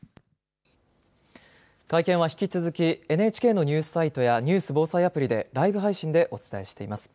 会見は引き続き、ＮＨＫのニュースサイトやニュース・防災アプリで、ライブ配信でお伝えしています。